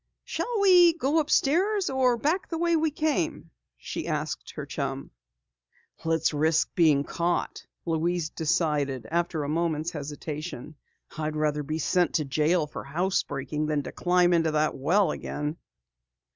"Shall we go upstairs, or back the way we came?" she asked her chum. "Let's risk being caught," Louise decided after a moment's hesitation. "I'd rather be sent to jail for house breaking than to climb into that well again."